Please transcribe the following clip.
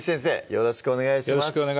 よろしくお願いします